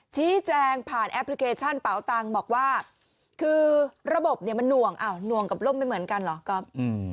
ชี้แจงผ่านแอปพลิเคชันเป๋าตังค์บอกว่าคือระบบเนี่ยมันหน่วงหน่วงกับล่มไม่เหมือนกันเหรอก๊อฟ